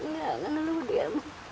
gak ngeluh dia